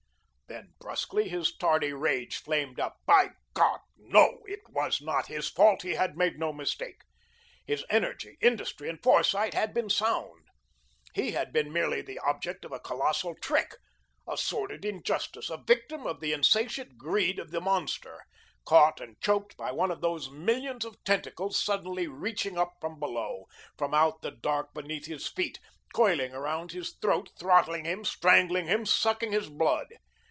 Then brusquely his tardy rage flamed up. By God, NO, it was not his fault; he had made no mistake. His energy, industry, and foresight had been sound. He had been merely the object of a colossal trick, a sordid injustice, a victim of the insatiate greed of the monster, caught and choked by one of those millions of tentacles suddenly reaching up from below, from out the dark beneath his feet, coiling around his throat, throttling him, strangling him, sucking his blood.